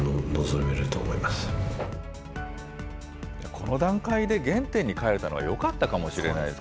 この段階で原点に返れたのはよかったかもしれないですね。